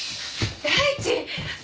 大地！